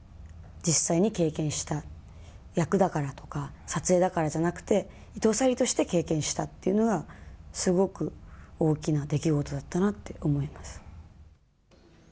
実際に経験した役だからとか、撮影だからじゃなくて、伊藤沙莉として経験したっていうのが、すごく大きな出来事だったなって思います。